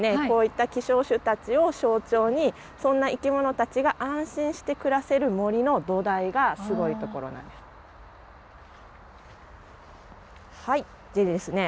こういった希少種たちを象徴にそんな生き物たちが安心して暮らせる森の土台がすごいところなんです。